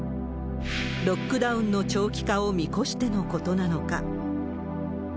ロックダウンの長期化を見越してのことなのか。